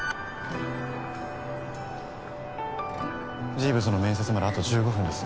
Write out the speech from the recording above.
ジーヴズの面接まであと１５分です。